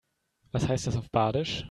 Was heißt das auf Badisch?